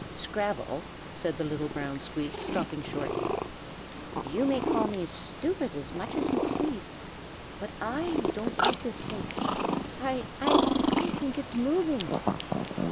"Scrabble," said little brown Squeak, stopping short, "you may call me stupid as much as you please, but I don't like this place. I I I think it is moving."